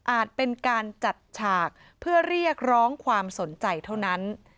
เป็นการจัดฉากเพื่อเรียกร้องความสนใจเท่านั้น